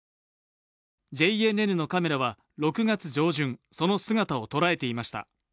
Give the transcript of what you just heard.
ＪＮＮのカメラは６月上旬、その姿を捉えていました。